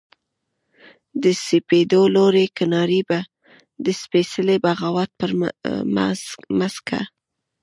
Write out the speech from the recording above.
د سپېدو لوړې کنارې به د سپیڅلې بغاوت پر مځکه